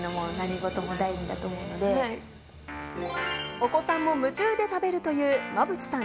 お子さんも夢中で食べるという馬淵さん